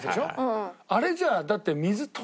あれじゃだって。